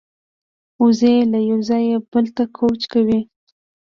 وزې له یوه ځایه بل ته کوچ کوي